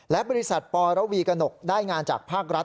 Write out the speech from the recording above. และบริษัทปรวีกระหนกได้งานจากภาครัฐ